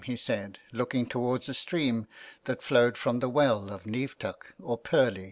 " he said, looking towards a stream that flowed from the well of Neamhtach or Pearly.